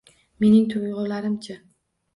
Mening tuyg`ularim-chi